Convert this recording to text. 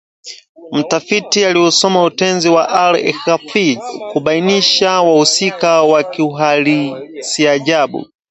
mtafiti aliusoma Utenzi wa Al-Inkishafi kubainisha wahusika wa kiuhalisiajabu